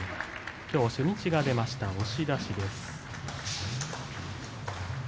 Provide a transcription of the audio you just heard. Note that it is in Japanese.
きょう初日が出ました押し出しです。